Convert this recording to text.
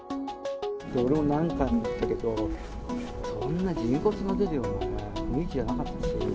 俺も何回も行ったけど、そんな人骨が出るような雰囲気じゃなかったですよ。